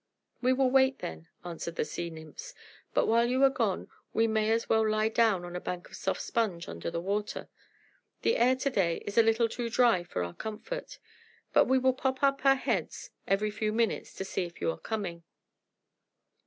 "We will wait, then," answered the sea nymphs. "But while you are gone, we may as well lie down on a bank of soft sponge, under the water. The air to day is a little too dry for our comfort. But we will pop up our heads every few minutes to see if you are coming."